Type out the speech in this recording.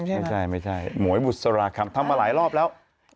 ต้องแล้วแหละหลายรอบแล้ว